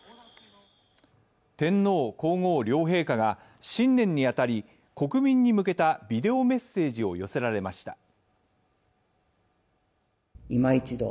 天皇皇后両陛下が新年に当たり国民に向けたビデオメッセージを寄せられました。